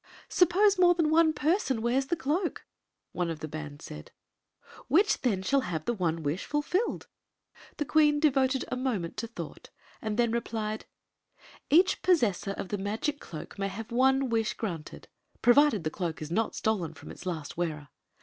" Suppose more than one person wears the cloak," one oi the band said; "which then shall have the one wish fulfilled?" The queen devoted a moment to thou^^t, and then replied :" Each possessor of the magic cloak may have one wish granted, provided the cloak is not stolen from its last wearer.